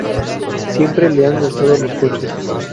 Siempre le han gustado los coches.